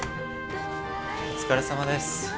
お疲れさまです。